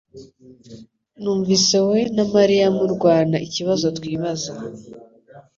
Numvise wowe na mariya murwana ikibazo twibaza